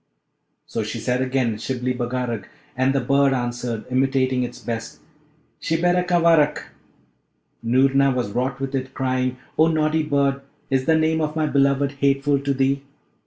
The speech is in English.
So she said again, 'Shibli Bagarag.' And the bird answered, imitating its best, 'Shibberacavarack.' Noorna was wroth with it, crying, 'Oh naughty bird! is the name of my beloved hateful to thee?'